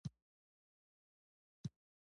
درناوی د تعلیم او روزنې برخه ده.